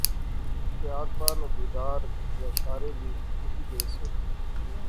کہ آر پار ناں دیدار یا شارے وی مکی گئے سے